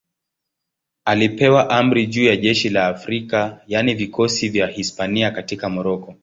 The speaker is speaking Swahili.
Alipewa amri juu ya jeshi la Afrika, yaani vikosi vya Hispania katika Moroko.